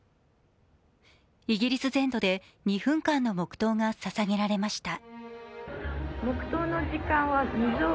イギリス全土で２分間の黙とうがささげられました。